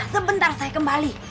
sebentar saya kembali